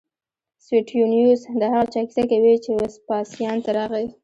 سویټونیوس د هغه چا کیسه کوي چې وسپاسیان ته راغی